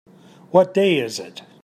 What day is it?